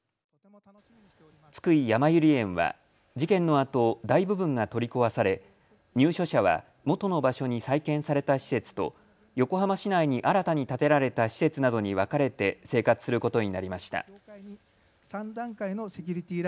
津久井やまゆり園は事件のあと大部分が取り壊され入所者は元の場所に再建された施設と横浜市内に新たに建てられた施設などに分かれて生活することになりました。